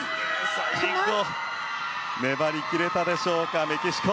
最後粘り切れたでしょうかメキシコ。